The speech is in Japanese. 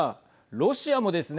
ロシアもですね